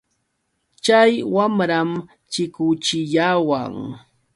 Chay wamram chikuchiyawan.